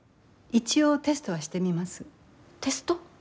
一応テストはしてみます。